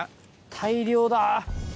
大量だ。